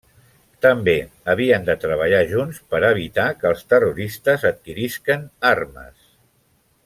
També havien de treballar junts per evitar que els terroristes adquirisquen armes.